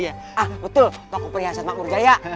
ah betul toko perhiasan makmur jaya